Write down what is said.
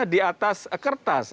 di atas kertas